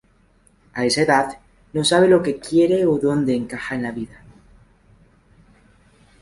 A esa edad, no sabe lo que quiere o dónde encaja en la vida.